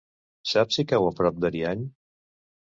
Saps si cau a prop d'Ariany?